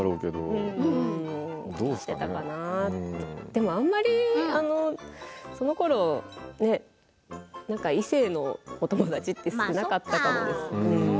でも、あんまりそのころ異性のお友達って少なかったと思うんです。